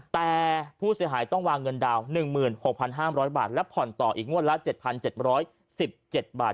แต่ผู้เสียหายต้องวางเงินดาวน๑๖๕๐๐บาทและผ่อนต่ออีกงวดละ๗๗๑๗บาท